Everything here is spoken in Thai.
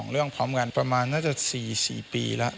เรื่องพร้อมกันประมาณน่าจะ๔๔ปีแล้ว